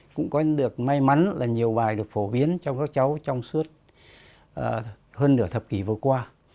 cũng có được may mắn là nhiều bài được phổ biến cho các cháu trong suốt hơn nửa thập kỷ vừa qua